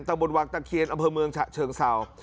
ตะบนวังตะเคียนอำเภอเมืองเชิงเซา